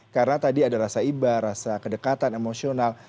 karena tadi ada rasa ibak rasa kedekatan emosional